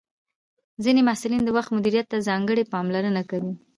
ځینې محصلین د وخت مدیریت ته ځانګړې پاملرنه کوي.